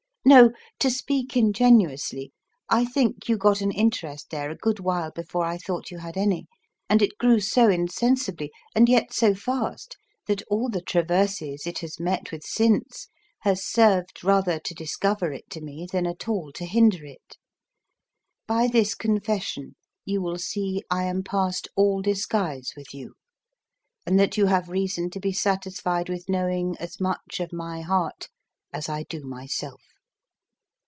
No, to speak ingenuously, I think you got an interest there a good while before I thought you had any, and it grew so insensibly, and yet so fast, that all the traverses it has met with since has served rather to discover it to me than at all to hinder it. By this confession you will see I am past all disguise with you, and that you have reason to be satisfied with knowing as much of my heart as I do myself.